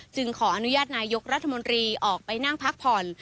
ขออนุญาตนายกรัฐมนตรีออกไปนั่งพักผ่อน